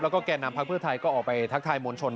แล้วก็แก่นำพักเพื่อไทยก็ออกไปทักทายมวลชน